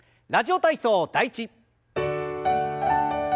「ラジオ体操第１」。